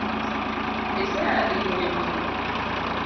Isea limo nyaminu